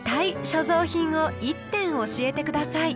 所蔵品を１点おしえてください」。